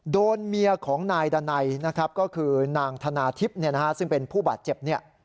โดนเมียของนายดานัยนะครับก็คือนางธนาทิพย์ซึ่งเป็นผู้บาดเจ็บเนี่ย